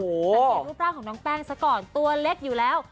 สังเกตรูปร่างของน้องแป้งซะก่อนตัวเล็กอยู่แล้ว